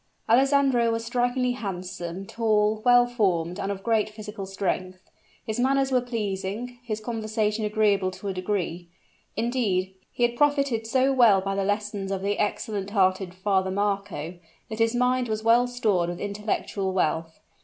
Alessandro was strikingly handsome, tall, well formed, and of great physical strength. His manners were pleasing, his conversation agreeable to a degree. Indeed, he had profited so well by the lessons of the excellent hearted Father Marco, that his mind was well stored with intellectual wealth.